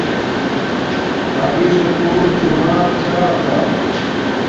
ھأگی سکُول چُو ناک چھا کا